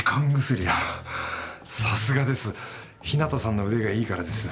さすがです日向さんの腕がいいからです